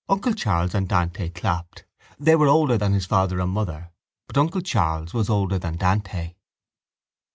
Uncle Charles and Dante clapped. They were older than his father and mother but uncle Charles was older than Dante.